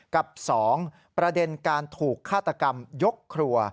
กับ๒ประเด็นการถูกฆาตกรรมยกครัว